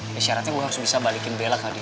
ya syaratnya gue harus bisa balikin bella ke dia